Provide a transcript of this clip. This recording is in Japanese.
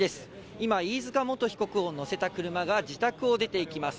今、飯塚元被告を乗せた車が自宅を出ていきます。